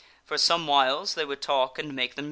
For some whiles they would talk and make them ^neath the